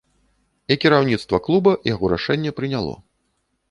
І кіраўніцтва клуба яго рашэнне прыняло.